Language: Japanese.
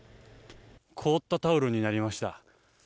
凍ったタオルになりました。